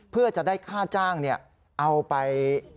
เพื่อจะได้ค่าจ้างเอาไป